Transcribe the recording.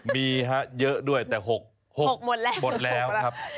มีเยอะด้วยแต่หกหมดแล้วครับ